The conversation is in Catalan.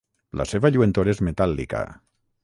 La seva lluentor és metàl·lica.